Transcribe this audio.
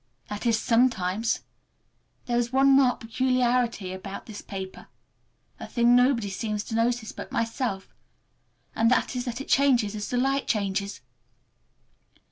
That is, sometimes! There is one marked peculiarity about this paper, a thing nobody seems to notice but myself, and that is that it changes as the light changes.